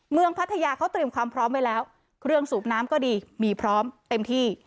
พัทยาเขาเตรียมความพร้อมไว้แล้วเครื่องสูบน้ำก็ดีมีพร้อมเต็มที่